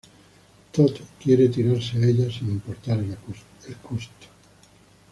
Tod quiere "tirarse a ella, sin importar el costo".